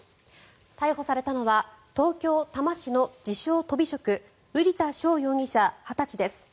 逮捕されたのは東京・多摩市の自称・とび職瓜田翔容疑者、２０歳です。